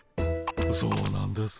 そうなんです。